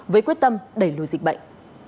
với quyết tâm đẩy lùi dịch bệnh